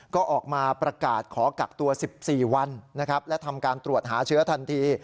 ก็ออกมาประกาศขอกักตัว๑๔วันนะครับและทำการตรวจหาเชื้อทันที